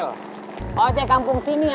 udah mau naik naik ya